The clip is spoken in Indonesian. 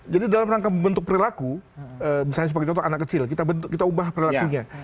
jadi dalam rangka bentuk pelaku misalnya sebagai contoh anak kecil kita ubah pelakunya